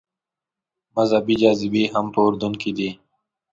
مذهبي جاذبې هم په اردن کې دي.